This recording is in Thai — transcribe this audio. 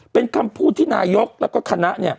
เป็นคำพูดที่นายกแล้วก็คณะ